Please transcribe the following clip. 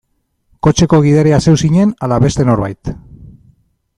Kotxeko gidaria zeu zinen ala beste norbait?